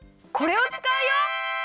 これをつかうよ！